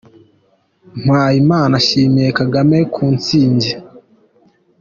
Mpayimana ashimiye Kagame ku ntsinzi.